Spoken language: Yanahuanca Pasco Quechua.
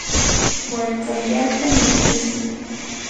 wallkallata mikushun.